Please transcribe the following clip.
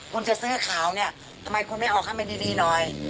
คุณจะซื้อขาวเนี่ยทำไมคุณไม่ออกให้มันดีหน่อย